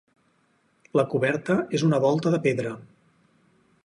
La coberta és una volta de pedra.